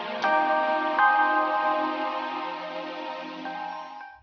nggak karena yang itu yang saya kasih